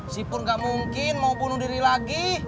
si pur gak mungkin mau bunuh diri lagi